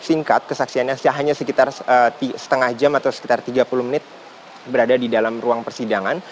singkat kesaksiannya hanya sekitar setengah jam atau sekitar tiga puluh menit berada di dalam ruang persidangan